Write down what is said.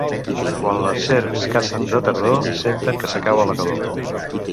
Quan les serps cacen de tardor, senten que s'acaba la calor.